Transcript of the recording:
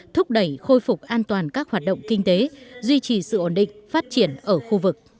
thúc đẩy khôi phục an toàn các hoạt động kinh tế duy trì sự ổn định phát triển ở khu vực